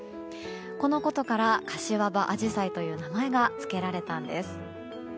このことから柏葉アジサイという名前が付けられたんです。